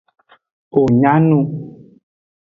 Wo nya nu.